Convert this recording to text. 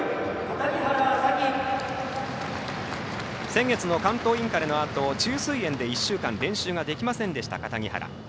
先月の関東インカレのあと虫垂炎で１週間練習ができませんでした、樫原。